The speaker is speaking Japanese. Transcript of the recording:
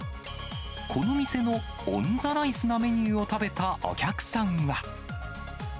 この店のオンザライスなメニューを食べたお客さんは。